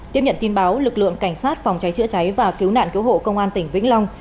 tiếp nhận tin báo lực lượng cảnh sát phòng cháy chữa cháy và cứu nạn cứu hộ công an tỉnh vĩnh long